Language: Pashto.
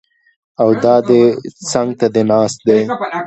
او دا دی څنګ ته دې ناست دی!